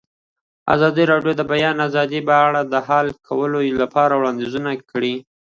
ازادي راډیو د د بیان آزادي په اړه د حل کولو لپاره وړاندیزونه کړي.